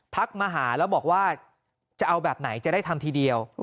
มาหาแล้วบอกว่าจะเอาแบบไหนจะได้ทำทีเดียว